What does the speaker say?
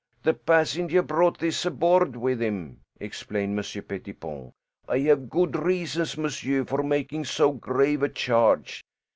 "The passenger brought this aboard with him," explained Monsieur Pettipon. "I have good reasons, monsieur, for making so grave a charge.